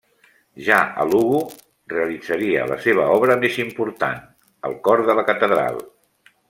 Ja a Lugo realitzaria la seva obra més important, el cor de la Catedral.